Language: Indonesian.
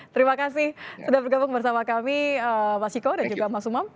terima kasih sudah bergabung bersama kami pak siko dan juga pak sumam